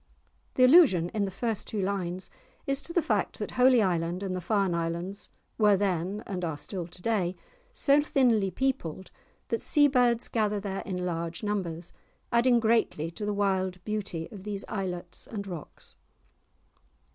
_" The allusion in the first two lines is to the fact that Holy Island and the Farne Islands were then, and are still to day, so thinly peopled that sea birds gather there in large numbers, adding greatly to the wild beauties of these islets and rocks.